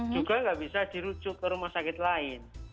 juga tidak bisa dirucuk ke rumah sakit lain